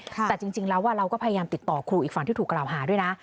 แต่จริงแล้วเราก็พยายามติดต่อครูอีกฝั่งที่ถูกกล่าวหาด้วยนะ